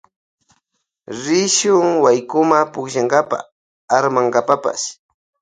Rishun waykuma pukllankapa armankapapash.